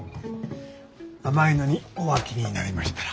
甘いのにお飽きになりましたら。